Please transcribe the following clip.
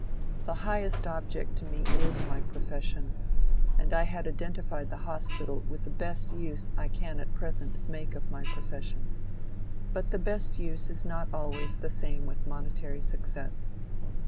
"The highest object to me is my profession, and I had identified the Hospital with the best use I can at present make of my profession. But the best use is not always the same with monetary success.